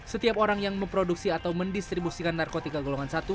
setiap orang yang memproduksi atau mendistribusikan narkotika golongan satu